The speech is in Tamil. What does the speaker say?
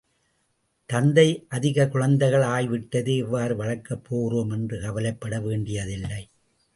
தந்தை அதிகக் குழந்தைகள் ஆய்விட்டதே, எவ்வாறு வளர்க்கப் போகிறோம் என்று கவலைப்பட வேண்டியதில்லை.